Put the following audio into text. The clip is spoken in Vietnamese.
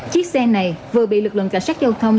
chiếc xe này vừa bị lực lượng cảnh sát giao thông